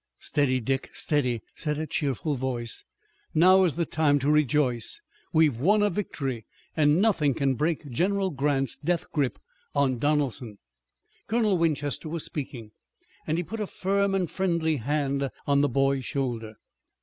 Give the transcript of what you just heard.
"Steady, Dick! Steady!" said a cheerful voice. "Now is the time to rejoice! We've won a victory, and nothing can break General Grant's death grip on Donelson!" Colonel Winchester was speaking, and he put a firm and friendly hand on the boy's shoulder.